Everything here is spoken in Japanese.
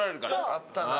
あったな。